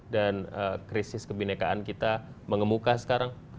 dan krisis kebinekaan kita mengemukah sekarang